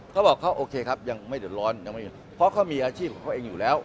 เค้าบอกเค้าโอเคครับยังไม่เดี๋ยวร้อนเพราะเค้ามีอาชีพของเค้าเองอยู่แล้ว